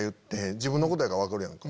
自分のことやから分かるやんか